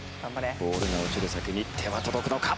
ボールが落ちる先に手は届くのか？